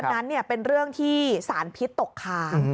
นั้นเป็นเรื่องที่สารพิษตกค้าง